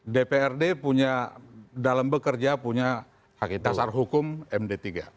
dprd punya dalam bekerja punya dasar hukum md tiga